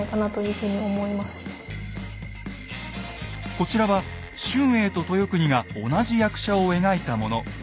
こちらは春英と豊国が同じ役者を描いたもの。